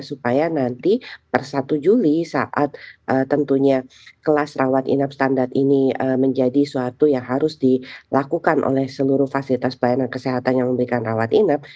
supaya nanti per satu juli saat tentunya kelas rawat inap standar ini menjadi suatu yang harus dilakukan oleh seluruh fasilitas pelayanan kesehatan yang memberikan rawat inap